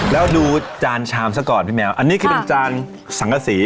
แล้วดูจานชามซะก่อนพี่แมวอันนี้คือเป็นจานสังกษี